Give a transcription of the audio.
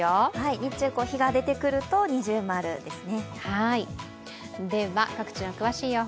日中、日が出てくると◎ですね。